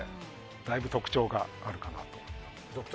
だいぶ特徴があると思います。